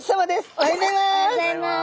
おはようございます！